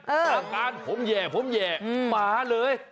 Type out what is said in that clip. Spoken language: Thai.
อาการผมแห่ผมแย่หมาเลย